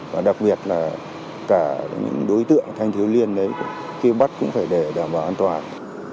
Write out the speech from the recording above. và đặc biệt là cả những đối tượng thanh thiếu liên kêu bắt cũng phải để đảm bảo an toàn